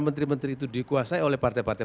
menteri menteri itu dikuasai oleh partai partai